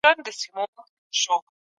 صدقات د ټولني د خیر لپاره ورکول کېږي.